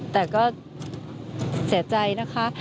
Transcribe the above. แต่ก็เสียใจนะคะ